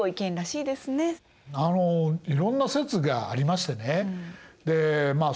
あのいろんな説がありましてねでまあ